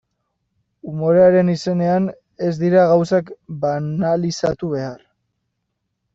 Umorearen izenean ez dira gauzak banalizatu behar.